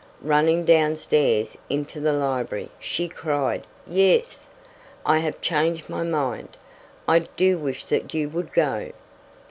Running downstairs into the library, she cried "Yes, I have changed my mind; I do wish that you would go."